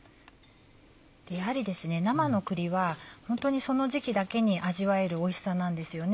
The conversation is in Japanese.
やはりですね生の栗はホントにその時季だけに味わえるおいしさなんですよね。